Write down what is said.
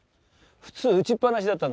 普通打ちっ放しだったんだ。